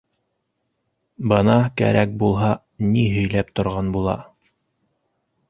Бына кәрәк булһа, ни һөйләп торған була.